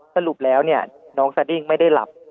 สรุปแล้วเนี่ยน้องสดิ้งไม่ได้หลับ